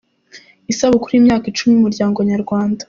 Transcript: Isabukuru y’imyaka icumi y’Umuryango nyarwanda